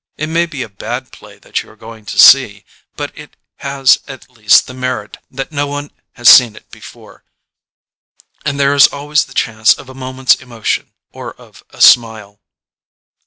It may be a bad play that you are going to see, but it has at least the merit that no one has seen it before; and there is always the chance of a moment's emotion or of a smile.